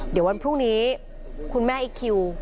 เดี๋ยววันพรุ่งนี้คุณแม่อีกคิว